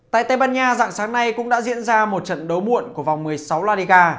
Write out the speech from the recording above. tại tây ban nha dạng sáng nay cũng đã diễn ra một trận đấu muộn của vòng một mươi sáu loay ga